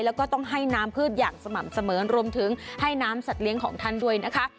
แล้วก็ต้องให้น้ำพืชอย่างสม่ำเสมอรวมถึงให้น้ำสัตว์เลี้ยงของท่านด้วยนะคะ